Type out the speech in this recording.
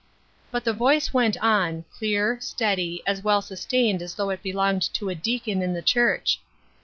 But the voice went on, clear, steady, as well sustained as though it belonged to a deacon in the church.